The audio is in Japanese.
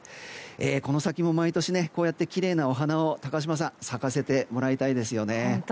この先も毎年、こうしてきれいな花を咲かせてもらいたいですね。